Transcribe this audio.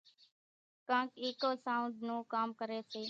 ڪانڪ اِيڪو سائونڍ نون ڪام ڪريَ سي۔